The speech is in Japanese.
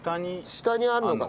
下にあるのかも。